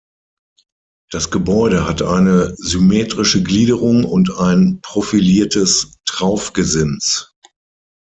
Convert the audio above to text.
Das Gebäude hat eine symmetrische Gliederung und ein profiliertes Traufgesims.